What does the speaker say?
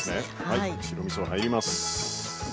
はい白みそ入ります。